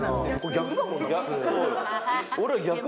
逆だもんな、普通。